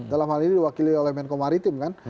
dalam hal ini diwakili oleh menko maritim kan